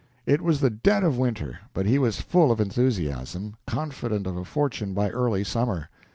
It was the dead of winter, but he was full of enthusiasm, confident of a fortune by early summer.